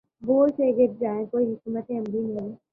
بوجھ سے گر جائے کوئی حکمت عملی نہیں